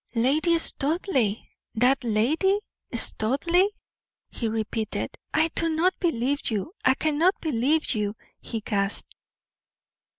"Lady Studleigh! that Lady Studleigh!" he repeated. "I do not believe you I cannot believe you!" he gasped.